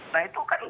nah itu kan